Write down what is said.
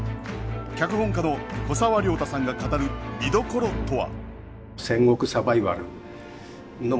脚本家の古沢良太さんが語る見どころとは？